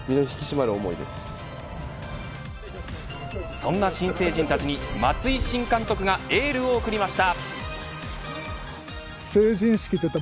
そんな新成人たちに松井新監督がエールを送りました。